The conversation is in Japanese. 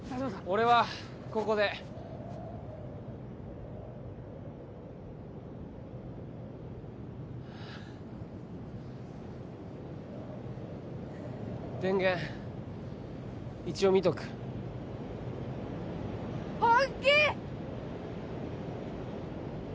俺はここで電源一応見とく本気！？